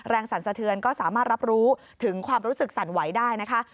สั่นสะเทือนก็สามารถรับรู้ถึงความรู้สึกสั่นไหวได้นะคะ